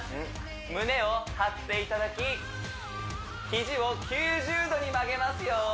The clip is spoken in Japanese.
胸を張っていただき肘を９０度に曲げますよ